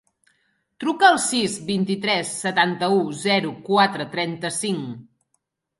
Truca al sis, vint-i-tres, setanta-u, zero, quatre, trenta-cinc.